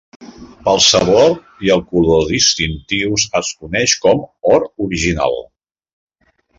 Pel sabor i el color distintius es coneix com "or original".